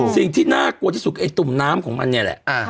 สิ่งที่น่ากลัวที่สุดไอ้ตุ่มน้ำของมันเนี่ยแหละ